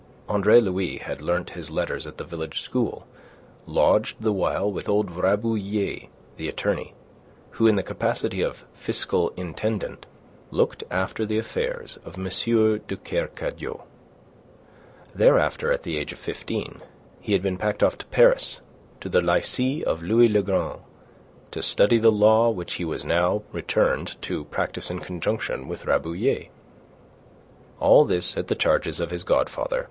Andre Louis had learnt his letters at the village school, lodged the while with old Rabouillet, the attorney, who in the capacity of fiscal intendant, looked after the affairs of M. de Kercadiou. Thereafter, at the age of fifteen, he had been packed off to Paris, to the Lycee of Louis Le Grand, to study the law which he was now returned to practise in conjunction with Rabouillet. All this at the charges of his godfather, M.